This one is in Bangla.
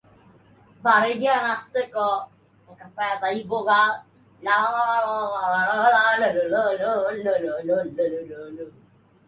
বেকারত্বের হার খুবই কম।